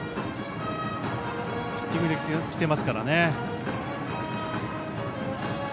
ヒッティングできていますからね。